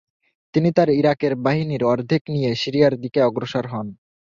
তিনি তার ইরাকের বাহিনীর অর্ধেক নিয়ে সিরিয়ার দিকে অগ্রসর হন।